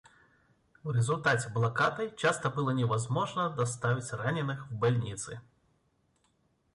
В результате блокады часто было невозможно доставить раненых в больницы.